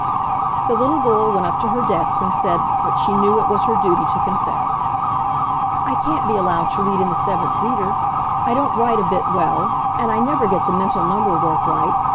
The little girl went up to her desk and said, what she knew it was her duty to confess: "I can't be allowed to read in the seventh reader. I don't write a bit well, and I never get the mental number work right.